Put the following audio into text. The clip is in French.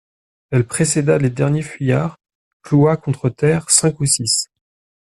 Elle précéda les derniers fuyards, cloua contre terre cinq ou six.